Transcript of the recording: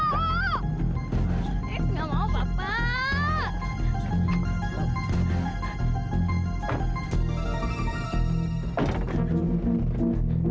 iis gak mau bapak